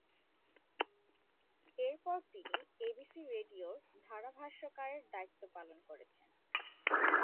এরপর তিনি এবিসি রেডিও’র ধারাভাষ্যকারের দায়িত্ব পালন করেছেন।